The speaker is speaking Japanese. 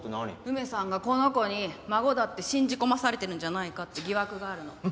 梅さんがこの子に孫だって信じ込まされてるんじゃないかって疑惑があるの。